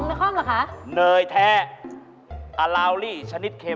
และของนครล่ะคะเนยแท้อะลาวลี่ชนิดเค็ม